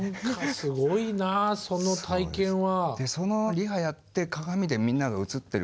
すごいなその体験は。